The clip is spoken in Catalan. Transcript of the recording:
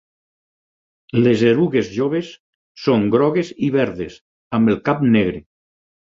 Les erugues joves són grogues i verdes, amb el cap negre.